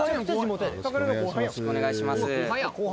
よろしくお願いします